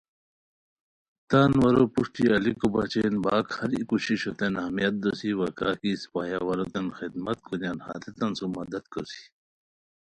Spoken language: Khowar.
تان وارو پروشٹی الیکو بچین باک ہرای کوششوتین اہمیت دوسی وا کاکی اسپہ ہیہ واروتین خدمت کونیان ہتیتان سوم مدد کوسی